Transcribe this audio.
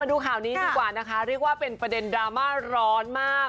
ดูข่าวนี้ดีกว่านะคะเรียกว่าเป็นประเด็นดราม่าร้อนมาก